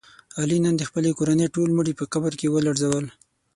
علي نن د خپلې کورنۍ ټول مړي په قبر کې ولړزول.